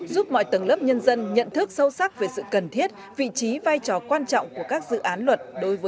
giúp mọi tầng lớp nhân dân nhận thức sâu sắc về sự cần thiết vị trí vai trò quan trọng của các dự án luật